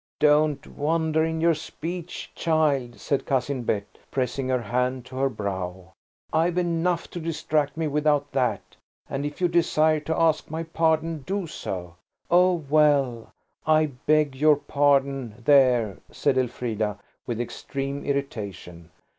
"Don't wander in your speech, child," said Cousin Bet, pressing her hand to her brow, "I've enough to distract me without that. And if you desire to ask my pardon, do so." "Oh, well, I beg your pardon–there!" said Elfrida, with extreme irritation.